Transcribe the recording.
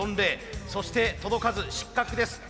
そして届かず失格です。